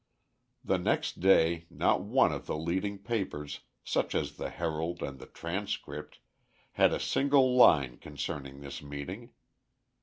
The next day not one of the leading papers, such as the Herald and the Transcript, had a single line concerning this meeting.